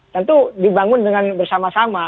tentu dibangun dengan bersama sama